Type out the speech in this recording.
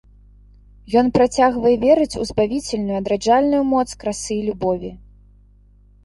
Ён працягвае верыць у збавіцельную адраджальную моц красы і любові.